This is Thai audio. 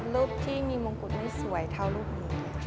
รูปที่มีมงกุฎไม่สวยเท่ารูปนี้